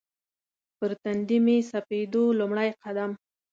پر تندي مې سپېدو لومړی قدم